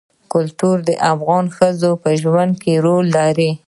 کلتور د افغان ښځو په ژوند کې رول لري.